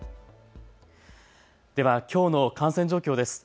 ではきょうの感染状況です。